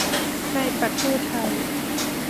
ในประเทศไทย